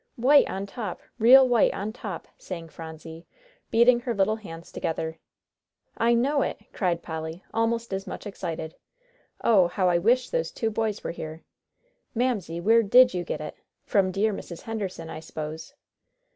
"White on top real white on top!" sang Phronsie, beating her little hands together. "I know it," cried Polly, almost as much excited. "Oh, how I wish those two boys were here! Mamsie, where did you get it? from dear Mrs. Henderson, I s'pose."